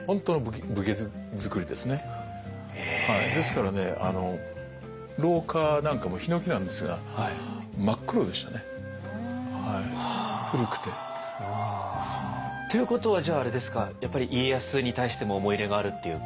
ですからね廊下なんかもヒノキなんですが真っ黒でしたね古くて。ということはじゃああれですかやっぱり家康に対しても思い入れがあるっていうか。